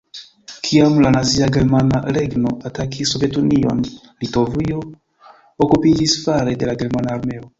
Kiam la nazia Germana Regno atakis Sovetunion, Litovio okupiĝis fare de la germana armeo.